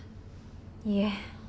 いえ